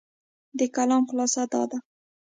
د کلام خلاصه دا ده،